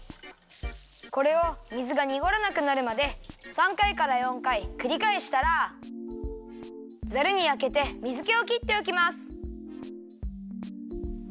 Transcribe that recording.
これを水がにごらなくなるまで３かいから４かいくりかえしたらザルにあけて水けをきっておきます。